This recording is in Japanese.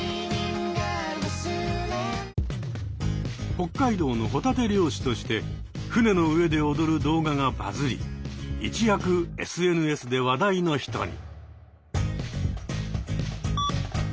北海道のホタテ漁師として船の上で踊る動画がバズり一躍ＳＮＳで話題の人に。